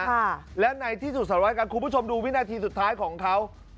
ค่ะและในที่สุดสารวัตรกันคุณผู้ชมดูวินาทีสุดท้ายของเขา